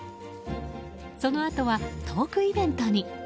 そのあとはトークイベントに。